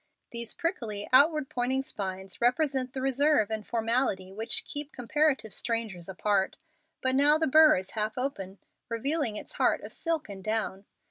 These prickly outward pointing spines represent the reserve and formality which keep comparative strangers apart. But now the burr is half open, revealing its heart of silk and down.